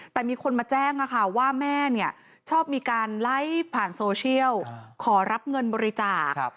แต่มีคนมาแจ้งว่าแม่ชอบมีการไลฟ์ผ่านโซเชียลขอรับเงินบริจาค